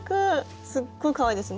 すっごいかわいいですね。